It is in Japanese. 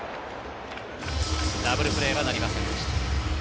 ダブルプレーはなりませんでした。